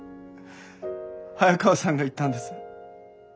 早川さんが言ったんです。